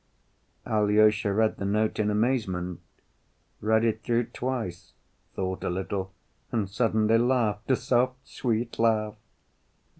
Alyosha read the note in amazement, read it through twice, thought a little, and suddenly laughed a soft, sweet laugh.